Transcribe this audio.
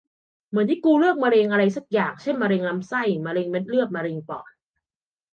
เหมือนให้กูเลือกมะเร็งอะไรสักอย่าง เช่น มะเร็งลำไส้ มะเร็งเม็ดเลือด มะเร็งปอด